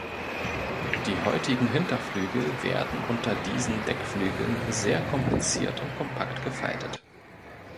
Die häutigen Hinterflügel werden unter diesen Deckflügeln sehr kompliziert und kompakt gefaltet.